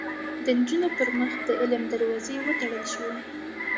د نجونو پر مخ د علم دروازې وتړل شوې